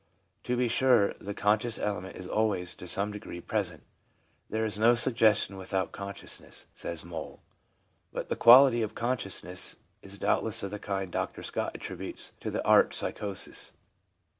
To be sure, the conscious element is always to some degree present. ' There is no suggestion without consciousness/ says Moll. 2 But the quality of consciousness is doubtless of the kind Dr Scott attributes to the art psychosis.